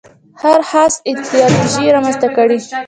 هرې خاصه ایدیالوژي رامنځته کړې.